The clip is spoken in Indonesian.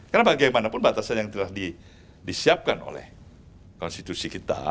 karena bagaimanapun batasan yang telah disiapkan oleh konstitusi kita